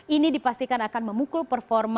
ini dipastikan akan memukul performa